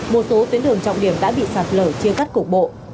một số tuyến đường trọng điểm đã bị sạt lở chia cắt cục bộ